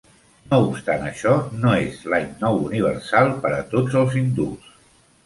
No obstant això, no és l'any nou universal per a tots els hindús.